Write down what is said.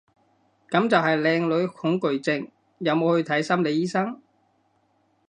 噉就係靚女恐懼症，有冇去睇心理醫生？